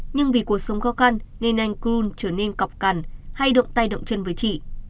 nhưng vì cuộc sống khó khăn nên anh crun trở nên cọc cằn hay động tay động chân với chị